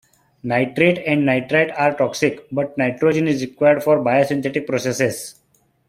Nitrate and nitrite are toxic, but nitrogen is required for biosynthetic processes.